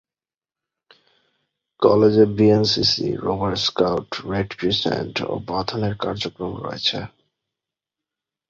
কলেজে BNCC, rover scout, red crescent ও বাঁধন-এর কার্যক্রম রয়েছে।